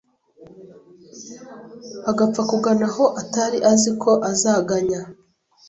agapfa kugana aho atari azi ko azaganya,